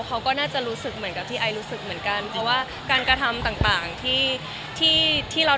เขาก็น่าจะรู้สึกเหมือนกับที่